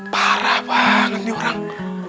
parah banget nih orang